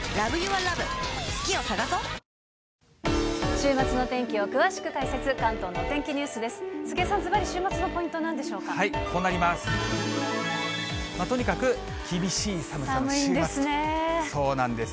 週末の天気を詳しく解説、関東のお天気ニュースです。